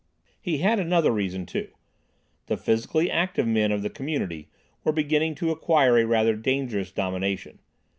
He had another reason too. The physically active men of the community were beginning to acquire a rather dangerous domination.